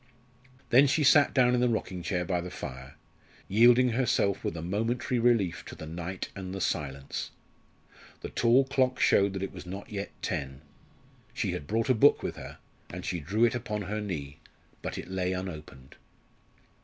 Then she sat down in the rocking chair by the fire, yielding herself with a momentary relief to the night and the silence. The tall clock showed that it was not yet ten. She had brought a book with her, and she drew it upon her knee; but it lay unopened.